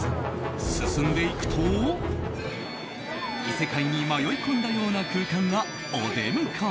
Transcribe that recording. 進んでいくと異世界に迷い込んだような空間がお出迎え。